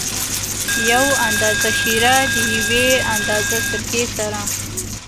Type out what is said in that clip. یو اندازه شېره د یوې اندازه سرکې سره.